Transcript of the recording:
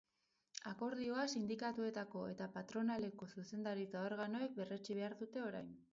Akordioa sindikatuetako eta patronaleko zuzendaritza organoek berretsi behar dute orain.